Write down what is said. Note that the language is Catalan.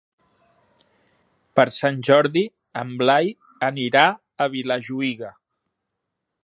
Per Sant Jordi en Blai anirà a Vilajuïga.